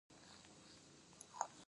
ایا زه باید پرهیز وکړم؟